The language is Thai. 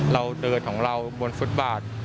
เราเดินของเราบนฟุตบาท